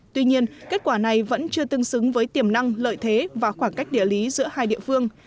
tuy nhiên kết quả này vẫn chưa tương xứng với tiềm năng lợi thế và khoảng cách địa lý giữa hai địa phương